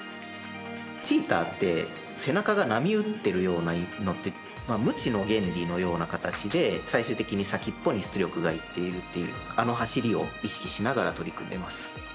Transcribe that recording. チーターって背中が波打ってるようになってむちの原理のような形で最終的に先っぽに出力がいっているっていうあの走りを意識しながら取り組んでます。